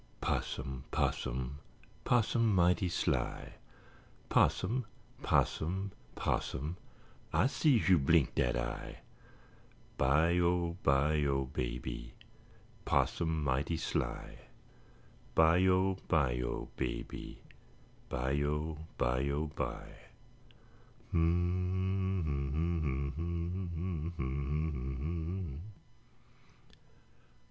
'Possum, 'possum, 'possum mighty sly, 'Possum, 'possum, 'possum, ah sees you blink dat eye. Bye o, bye o, baby, 'Possum mighty sly, Bye o, bye o, baby, Bye o, bye o bye. M hm m m m. M hm hm hm!